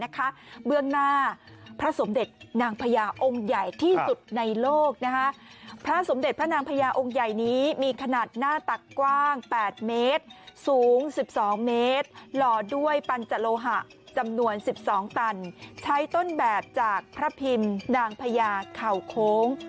เขาเช่ากันเป็นล้านนะโอ้โฮ